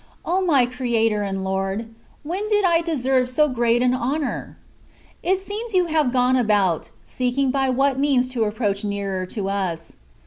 O ! my Creator and Lord, when did I deserve so great an honour ? It seems you have gone about, seeking by what means to approach nearer to us.